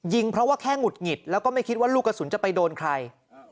เพราะว่าแค่หงุดหงิดแล้วก็ไม่คิดว่าลูกกระสุนจะไปโดนใคร